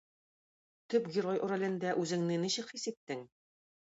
Төп герой ролендә үзеңне ничек хис иттең?